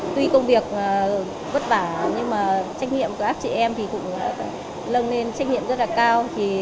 tuy công việc vất vả nhưng trách nhiệm của các chị em cũng lân lên trách nhiệm rất là cao